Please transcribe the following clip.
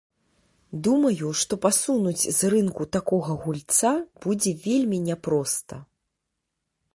Думаю, што пасунуць з рынку такога гульца будзе вельмі няпроста.